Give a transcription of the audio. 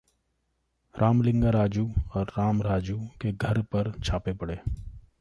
रामलिंगा राजू और राम राजू के घर पर छापे पड़े